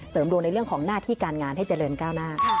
ดวงในเรื่องของหน้าที่การงานให้เจริญก้าวหน้า